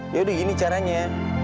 yaudah gini caranya